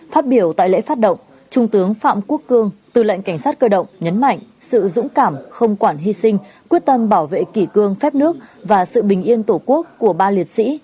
phát biểu tại lễ phát động trung tướng phạm quốc cương tư lệnh cảnh sát cơ động nhấn mạnh sự dũng cảm không quản hy sinh quyết tâm bảo vệ kỷ cương phép nước và sự bình yên tổ quốc của ba liệt sĩ